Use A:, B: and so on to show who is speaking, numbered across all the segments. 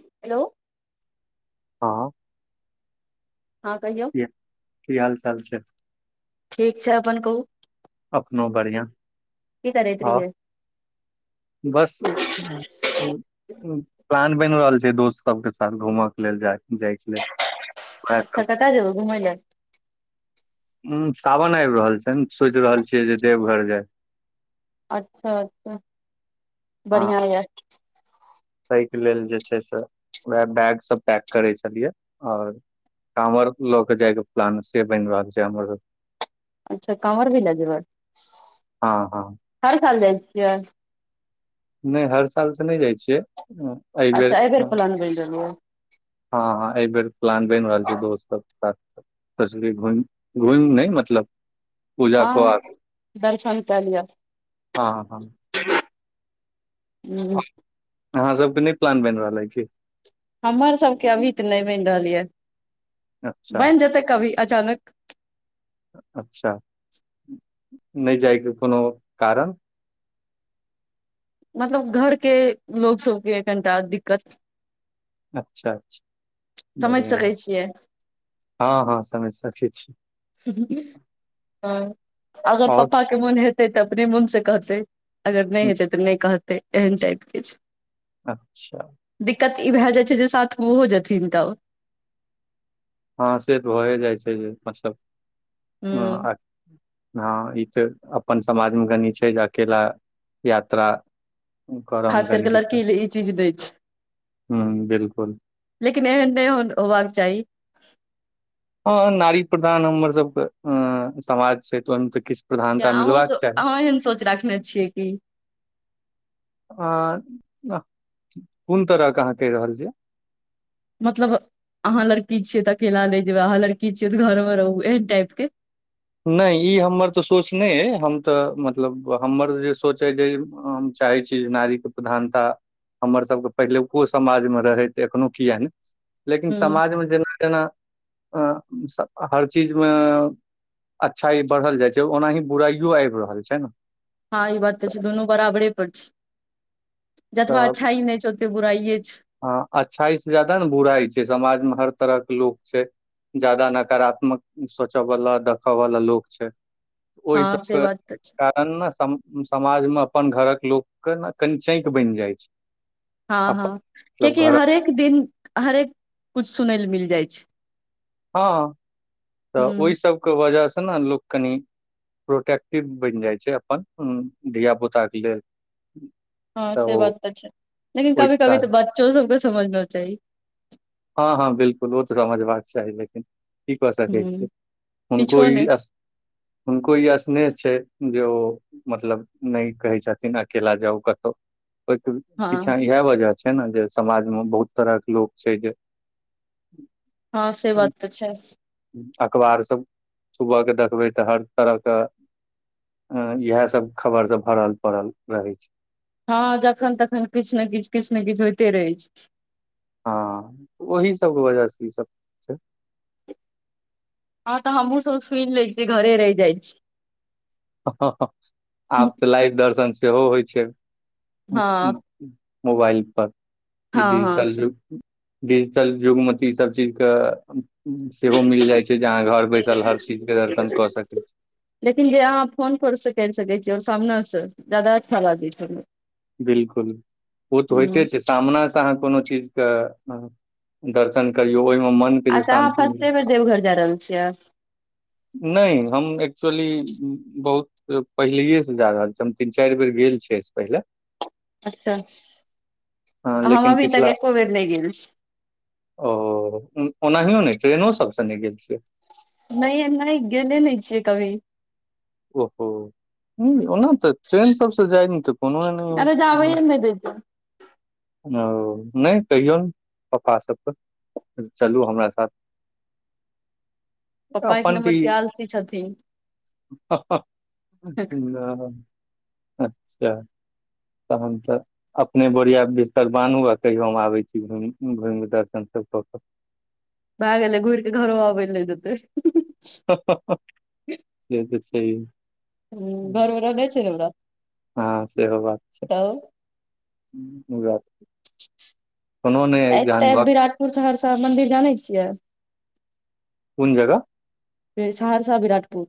A: Hello
B: हं
A: हं कहियौ।
B: की -की हाल -चाल छय।
A: ठीक छय, अपन कहू।
B: अपनो बढ़िया
A: की करैत
B: और।
A: [inaudible]
B: बस प्लान बनि रहल छय, दोस्त सब के साथ घूमय के लेल जाय। जाइ छलय, उहे सबके।
A: [unintelligible] घुमै ले
B: उंह सावन आबि रहल छै न, सोच रहल छिय जे देवघर जाय।
A: अच्छा -अच्छा बढ़िया ये।
B: तहिके लेल जे छै, से उहे बैग सभ पैक करै छलियै और कांवर ल क जाय के प्लान से बनि रहल छै, हमर सभ के।
A: अच्छा कांवर भी ल जेबै,
B: हँ हँ
A: हर साल जाय छिय।
B: नहि हर साल त नहि जाइ छियै, एहि बेेर
A: अच्छा बेर
B: हं-
A: प्लान बनि रहलै
B: हं अय बेर प्लान बनि रहल छै, दोस्त सब के साथ [unintelligible] घुमि नहि मतलब पूजा कऽ
A: हं
B: आर
A: दर्शन क लिय।
B: ह - ह।
A: [unintelligible]
B: अहाँ सबके नै प्लान बैन रहल ऐय, कि?
A: हमर सबके अभी तऽ नै बैन रहल यऽ
B: अच्छा
A: बैन जेतै कभी अचानक
B: अच्छा, नै जायके कोनो कारण?
A: मतलब घर के लोग सबके, कनिटा दिक्कत
B: अच्छा - अच्छा
A: समझ
B: बढ़िआ,
A: सकै छियै
B: ह - ह समझ सकै छी।
A: ह अगर
B: आओर
A: पापा के मोन हेतै तऽ अपने मोन से कहतै अगर नै
B: हूँ,
A: हेतै तऽ नै कहतै एहन टाइप के छे।
B: अच्छा।
A: दिक्कत इ भे जाइ छै, जे साथ में ओहो जेथिन गाँव।
B: ह से तऽ भए जाइ छै जे मतलब ह ह इ तऽ अपन समाज मे कनी छै, जे अकेला यात्रा करमे
A: खास करके
B: कनी
A: लड़की
B: दिककत
A: ई चीज दै छै
B: ह बिलकुल
A: लेकिन एहेन नै हो, होवाक चाही
B: ह नारी प्रधान हमर सबके, ह समाज छै, तहन त किछ
A: किये अहूँ सब अहूँ एहन सोच राखने छियै कि
B: ह कुन तरह के अहाँ कैह रहल छीयै
A: मतलब अहाँ लड़की छीयै तऽ अकेला ले जेबै अहाँ लड़की छीयै तऽ घर मे रहु, एहन टाइप के
B: नै इ हमर तऽ सोच नै ऐय, हम तऽ मतलब हमर जे सोच अइ जे चाहै छी जे नारीक के प्रधानता हमर सबके पहिलुको समाजमे रहै, एखनो किये नै लेकिन
A: ह
B: समाजमे जेना - जेना अ हर चीजमे अच्छाई बढ़ल जाइ छै, ओनाही बुराइयो ऐब रहल छैन
A: ह इ बात तऽ छै दुनू बराबरे पर छै, जतबा अच्छाइ नै छै त बुराइए छै
B: ह अच्छाइ से जादा न बुराइ छै, समाज मे हर तरह के लोक छै। जादा नकारात्मक सोच वाला देख वाल लोक छै। ओहि
A: हँ
B: सभ
A: से
B: [unintelligible]
A: बात तऽ छै
B: तन न समाज म अपन घरक लोक के ने कनि चैक बैन जै छै।
A: ह - ह
B: अपन मतलब
A: कियेकि
B: घर
A: हरेक दिन हरेक कुछ सुनै ले मिल जै छै।
B: ह तऽ
A: ह
B: ओय सबके वजह सँ न लोक कनि प्रोटेक्टिव बैन जाय छै, अपन धियापुताक लेल।
A: ह से बात तऽ छै लेकिन
B: ओहि
A: कभी- कभी
B: कारण
A: तऽ बच्चो सबके समझना चाही।
B: ह - ह बिलकुल ओ तऽ समझबाक चाही, लेकिन की कऽ सकैत
A: ह
B: छियै हुनको
A: किछो नहि
B: इ हुनको येह स्नेह छै जे ओ मतलब नैय कहै छथिन अकेला जाउ कतौ, ओय
A: हँ
B: पीछा इहे वजह छैय न, जे समाज मे बहुत तरहक लोक छै जे
A: ह से बात तऽ छैय।
B: अकबार सब सुबह के देखबै तऽ, हर तरह क ह इहे सब खबर सब भरल पड़ल रहै छैय।
A: ह जखन -तखन किछ ने किछ- किछ ने किछ होयते रहै छैय।
B: ह ओहि सबके वजह से इ सब। छै
A: ह तऽ हमहु सब सुन लैछी घरे रैह जाय छी। छी
B: आब तऽ लाइव दर्शन सेहो होय छैय।
A: हँ
B: मोबाइल पर इ
A: हँ हँ
B: डिजिटल
A: से
B: जुग। डिजिटल युग मे तऽ इ सब चीज कऽ सेहो मिल जाय छै, जे आहाँ घर बैसल हर चीज के दर्शन क सकै छी।
A: लेकिन जे आहाँ फोन पर स कैर सकै छि, ओर सामने स ज्यादा अच्छा लागै छैय न।
B: बिल्कुल, ओ तऽ होयते छैय। सामना सँ आहाँ कोनो चिज के दर्शन करियौ ओय मे मन
A: अच्छा अहाँ फस्टे बेर देवघर जा रहल छियै।
B: नैय हम एकचुवली बहु त पहिलैये से जा रहल छियै, हम तीन चारि बेर गेल छियै अैय से पहिले।
A: अच्छा,
B: अ,
A: आ हम
B: लेकिन
A: अभी
B: पिछला
A: तक एको बेर नैय गेल छी।
B: ओ ओनाहियो नहि ट्रेनो सब से नैय गेल छियै।
A: नहिए नैय गेले नैय छियै कभी।
B: ओहो, नहि ओना तऽ ट्रेन सब से जाय तऽ कोनो एहन नहि हँ
A: नैय दैत जॉ
B: ओ, नहि कहियौन पापा सबके चलू हमरा साथ।
A: पप्पा एक
B: अपन तऽ
A: नम्बर
B: इ,
A: के आलसी छथिन
B: ह ह [unintelligible] अच्छा तहन तऽ अपने बोरिया बिस -तर बानहु, आ कहियो हम आबै छी घुम- घुइम क दर्शन सब कऽ कऽ।
A: भए गेलै, घुइर केऽ घरो अबै लैं नहि देतै।
B: [unintelligible] से तऽ छैहे।
A: घर मे रहने छै ने ओकरा
B: हाँ सेहो बात छैय।
A: तऽ
B: [unintelligible] कोनो नहि अइ
A: अइते
B: जहन वक्त
A: विराटपुर सहरसा मन्दिर जानै छियै।
B: कुन जगह
A: एय सहरसा विराटपुर।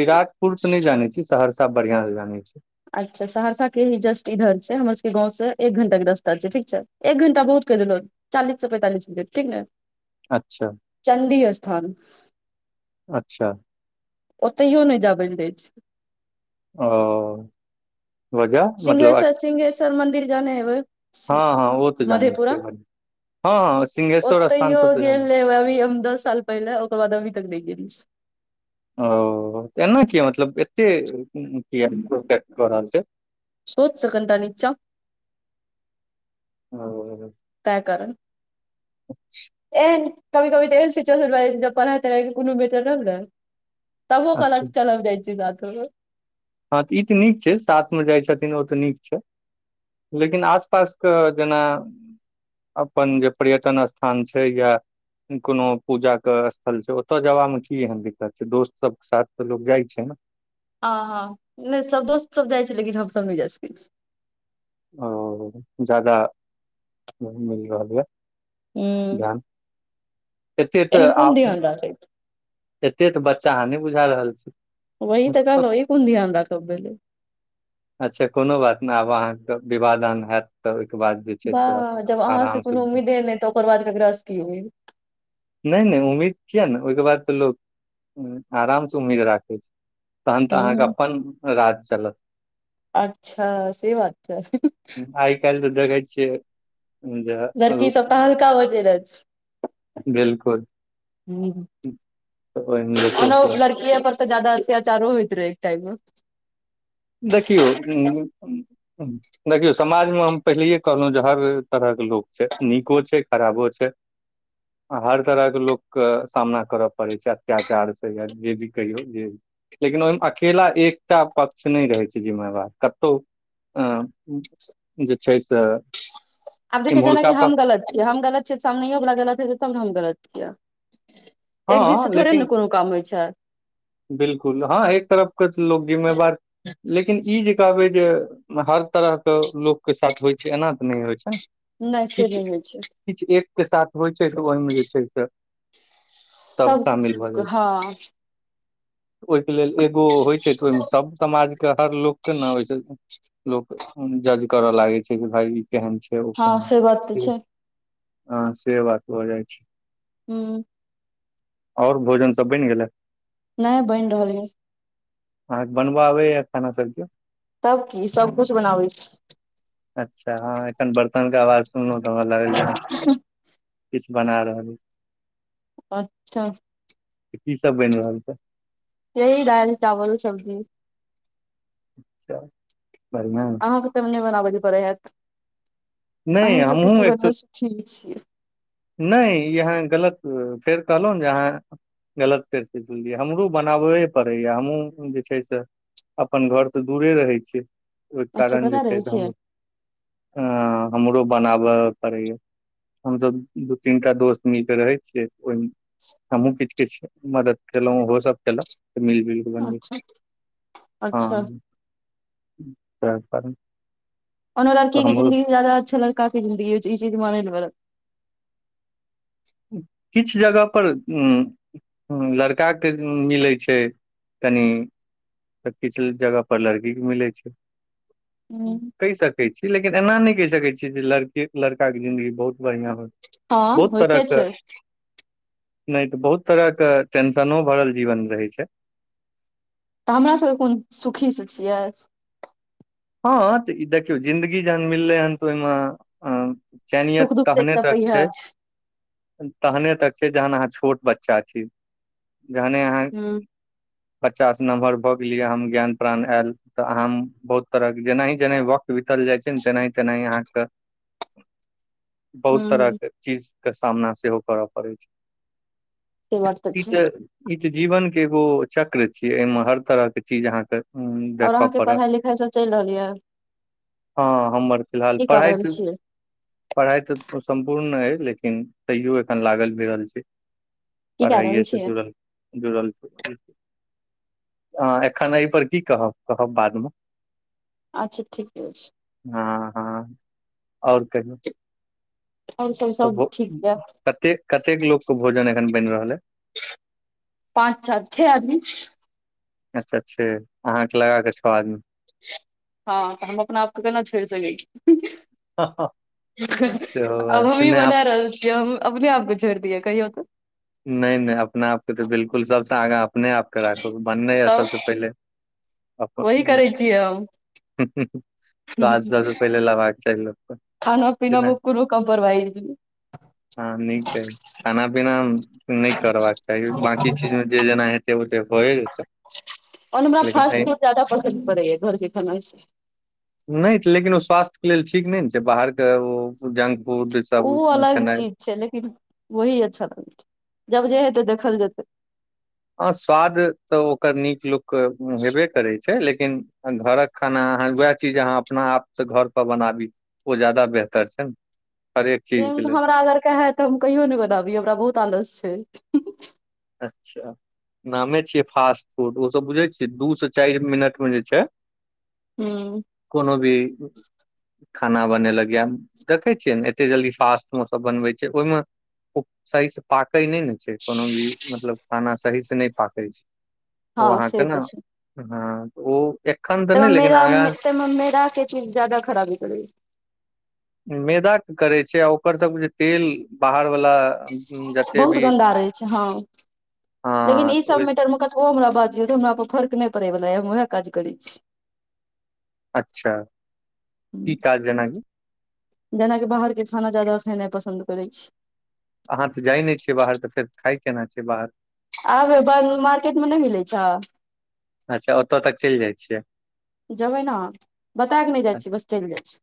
B: विराटपुर तऽ नहि जानै छियै, सहरसा बढ़ियां से जानै छियै।
A: अच्छा सहरसा के ही जस्ट इधर छै, हमर सबके गाँंव से एक घण्टा के रास्ता छै, ठीक छै, एक घंटा बहुत कैह देलौ। चालीस स पैंतालिस मिनट ठीक ने।
B: अच्छा
A: चण्डी स्थान।
B: अच्छा
A: ओतहियो नहि जाबै लैं दय छय।
B: ओ वजह मतलब
A: सिंहेश्वर -सिंहेश्वर मंन्दिर जाने हेबै।
B: हँ हँ ओ तऽ जानै
A: मधेपुरा
B: छियै बढ़ हँ हँ सिंहेश्वर स्थान
A: ओतैहो
B: सब तऽ
A: गेल
B: जानै
A: हेबै अभी हम दस साल पहिले ओकर बाद अभी तक नैय गेल छियै।
B: ओ एना किया मतलब एते किया प्रोटेक्ट कऽ रहल छैथ।
A: सोच सऽ कनिटा निच्चा।
B: ओ
A: तैं कारण ए कभी कभी तऽ एहन सीच्वेशन भ जाइ छै, जब पढ़ाइ- तढाई के कोनो मेटर रहल न। तबहो
B: अच्छा
A: कहलक चल हम जाय छियऊ साथ में
B: हँ, तऽ ई तऽ नीक छै, साथमे जाइ छथिन ओ तऽ नीक छै। लेकिन आस पास कऽ जेना अपन जे पर्यटन स्थान छै। या कोनो पूजा के स्थल छै, ओतऽ जेबामे की एहन दिक्कत छै, दोस्त सबके साथ तऽ लोग जाइ छै न।
A: अ हँ, नहि सब दोस्त सब जाइ छै, लेकिन हमसब नहि जाय सकै छी।
B: ओ जादा नहीं मिल रहल यऽ
A: हूँ
B: ध्यान, एतेत
A: एहन
B: आ
A: कोन ध्यान राखैत
B: एते तऽ बच्चा अहाँ नहि बुझा रहल छी।
A: वही तऽ कहलहु इ कोन ध्यान राखब भेलइ
B: अच्छा कोनो बात नहि आब अहाँके विवाह दान हैत तऽ ओहिके बाद जे छै से
A: वाह जब अहाँ से
B: आराम
A: कोनो
B: नहि
A: उम्मीदे नय तऽ ओकर बाद केकरासँ की उम्मीद।
B: नहि नहि उम्मीद किए ने ओहिके बाद तऽ लोक आराम से उम्मीद राखै छैय। तहन तऽ अहाँके
A: हूँ
B: अपन राज चलत।
A: अच्छा से बात छैय।
B: आइ काल्हि तऽ देखै छियै जे
A: लड़की [unintelligible]
B: बिलकुल
A: [unintelligible]
B: तऽ ओहिमे जे छै से
A: ज जादा अत्यचारो होइत रहै एक टाइम मे।
B: देखियौ देखियौ समाजमे हम पहिले कहलहुं जे हर तरहके लोक छैय। नीको छैय खराबो छैय। हर तरहके लोकके सामना करऽ पड़ै छैय अत्याचार से या जे भी कहियौ जे लेकिन ओहिमे अकेला एकटा पक्ष से नहि रहै छैय जिम्मेवार कतहु जे छैय से
A: आब देखियौ जेना कि
B: इम्हुरका
A: हम
B: पक्ष
A: गलत छियै हम गलत सामनेयो वला गलत हेतै तब ने हम गलत छियै। एक दिससँ
B: हँ
A: थोड़े ने
B: लेकिन
A: कोनो काम होइ छैय।
B: बिलकुल हँ एक तरफके लोक जिम्मेवार लेकिन ई जे कहबै जे हर तरहके लोकके साथ होइ छैय एना तऽ नहि होइ छैय।
A: नहि से नहि होइ छैय।
B: किछु एकके साथ होइ छैय त ओहिमे जे छैय से सब शामिल भऽ जाइ छैय।
A: हँ।
B: ओहिके लेल एगो होइ छैय तऽ ओहिमे सभ समाज के हर लोकके ने ओहिस लोक जज करऽ लागे छैय कि भाय ई केहन
A: हँ से बात तऽ
B: छैय।
A: छै
B: आ से बात भ जाइ छैय।
A: हू।
B: आओर भोजन सब बनि गेलै।
A: नहि बनि रहल अइ।
B: अहाँक बनबा आबैयै खाना सभकिछु।
A: तब की सब कुछ बनाबै छी।
B: अच्छा हँ एखन बर्तनके आवाज सुनलहु तऽ हमरा लागल जे ह
A: छी
B: किछु बना रहलइ
A: अच्छा।
B: की सब बनि रहल छैय।
A: यही दालि चावल सब्जी।
B: अच्छा बढ़िआँ।
A: अहाँके तब नहि बनाबै ल पड़े हत
B: नहि
A: अहीं सबके
B: हमहूँ
A: जीवनमे
B: एक
A: सुखी छीयै।
B: नहि इ अहाँ गलत फेर कहलहु जे अहाँ गलत करिके बुझलियै हमरो बनाबे पड़ैए हमहूँ जे छै से अपन घरसँ दूरे रहै छियै ओहि
A: अच्छा
B: कारण जे
A: कतऽ
B: छैय
A: रहै
B: से हम‌
A: छियै
B: अ हमरो बनाबय पड़ैए। हमसभ दू तीन टा दोस्त मिलके रहै छियै ओहिमे। हमहुँ किछ किछ मदद केलहुं ओहो सब केलक मिल जुलि
A: अच्छा अच्छा
B: हँ। [unintelligible]
A: ओना लड़की के
B: हमरो
A: ज़िन्दगी से जादा अच्छा लड़का के जिन्दगी हौइ छै ई चीज मानै ले पडत।
B: किछु जगह पर उं ह लड़काके मिलै छै कनि तऽ किछ जगह पर लड़की के मिलै छै।
A: हूँ
B: कहि सकै छी लेकिन एना नहि कहि सकैत छी जे लड़कि से लड़काके जिंन्दगी बहुत बढ़िआँ होय
A: हॅं।
B: बहुत तरह के नहि तऽ बहुत तरह के टेंशनो भरल जीवन रहै छै।
A: तऽ हमरा सभके कोन सुखीसँ छियै।
B: हँ तऽ ई देखियौ जिन्दगी जहन मिललै हन तऽ ओहिमे अं
A: सुख
B: चैनियत
A: दुख तऽ
B: तहने
A: एकटा
B: तक
A: पैहा
B: छै तहने तक छै जहन अहाँ छोट बच्चा छी जहने अहाँ
A: हूँ
B: बच्चा स नम्हर भऽ गेलियै अहांमें ज्ञान प्राण आयल तऽ अहाॅं बहुत तरहक जेनाहि जेनाहि वक्त बीतल जाइ छै ने तेनाहि तेनाही अहाँके बहुत
A: हूँ हूँ
B: तरहके चीजके सामना सेहो करय पड़ै छै।
A: से बात तऽ
B: ई
A: छै
B: त ई त जीवन के एगो चक्र छीेयै ऐमे हर तरह के चीज अहांके
A: और अहां के पढ़ाई लिखाई सब चलि रहल ये।
B: हँ हमर फिलहाल
A: कऽ
B: पढ़ाइ
A: रहल
B: त
A: छियै
B: पढ़ाइ तऽ सम्पूर्ण अय लेकिन तैयो एखन लागल भीरल छी।
A: की कए रहल
B: पढ़ाइयेसे
A: छियै
B: जुड़ल। जुड़ल छी एखन एहि पर की कहब कहब बादमे।
A: आच्छा ठीके छै।
B: हँ हँ और कहियौ
A: आओर सब
B: तो
A: सब
B: ब
A: ठीक यै
B: कते कतेक लोक के भोजन एखन बनि रहल ऐ?
A: पाँच छह आदमी।
B: अच्छा छअ अहाँके लगा के छओ आदमी।
A: हँ तऽ हम अपना आपके केना छोइड़ सकै छी। हें हें
B: सेहो
A: अब
B: बात छै
A: हमी
B: नहि आप
A: बने रहल छियै हम अपने आपके छोइड़ दियए कहियो तऽ।
B: नहि नहि अपना आपके तऽ बिलकुल सबसँ आगा अपने आपके राखब बननाय आ
A: तब
B: सबसँ पहिले।
A: वही करै छियै हम।
B: हूं हूं स्वाद सबस पहिले लेबाक चाही लोक के।
A: खाना पीना में कूनु कम्प्रोमाइज नै।
B: हँ नीक अय खाना पीना नहि करबाक चाही बाकी चीज मे जे जेना हेतै ओते भए जेतै।
A: ओना हमरा
B: लेकिन
A: फास्ट
B: एहि
A: फूड जादा पसन्द पड़ै या घर के खाना से।
B: नहि त लेकिन ओ स्वास्थ्य के लेल ठीक नहि ने छै बाहर के ओ जंक फूड सब
A: ऊ अलग
B: खेनाइ
A: चीज छै लेकिन वही अच्छा लगै छै जब जे हेतै देखल जेतै।
B: हॅं स्वाद तऽ ओकर नीक लोक के हेबे करै छै लेकिन घरक खाना अहाँ उएह चीज अहाँ अपना आपसँ घरपर बनाबी। ओ जादा बेहतर छै न।
A: एम हमरा अगर कहै तऽ हम कहियो नहि बनाबी हमरा बहुत आलस छै।
B: अच्छा। नामे छियै फास्ट फूड ओ सब बुझे छियै दू से चारि मिनट में जे छै
A: हूँ
B: कोनो भी खाना बनेलक य देखैत छियै ने एते जल्दी फास्टमे सभ बनबैत छै। ओहिमे ओ सही से पाकै नहि ने छै कोनो भी मतलब खाना सहीसँ नहि पाकै छै ओ
A: हँ
B: अहाँके
A: से
B: ने हँ ओ एक
A: त त मेरा के चीज जाददा खराबी करब
B: मैदा के करै छै आ ओकर सब जे तेल बाहर वाला जते
A: बहुत
B: भी
A: गन्दा रहै छै। हँ
B: हँ
A: लेकिन ई
B: तऽ
A: सब
B: ओहि
A: मेटर मे हमरा बाजी हमरा पर फर्क नहि पड़ेवला हम उएह काज करै छी।
B: अच्छा की काज जेनाकी
A: जेनाकि बाहर के खाना ज्यादा खेनाइ पसन्द करैत छी।
B: अहाँ तऽ'जाइ नहि छियै बाहर तऽ' फेर खााय केना छै। बाहर
A: आबे ब मार्केट मे नहि मिलै छ
B: अच्छा ओतऽ' तक चलि जाइ छियै।
A: जेबै ने बता कऽ 'नहि जाइ छियै बस चलि जाइ छीिय।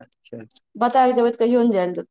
B: अच्छाा।
A: बताब देबै कऽहिऔौन जाइल तऽ'